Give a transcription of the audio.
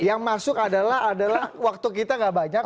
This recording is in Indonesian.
yang masuk adalah waktu kita gak banyak